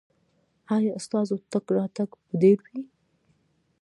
ایا ستاسو تګ راتګ به ډیر وي؟